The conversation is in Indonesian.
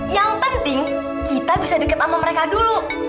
yang penting kita bisa deket sama mereka dulu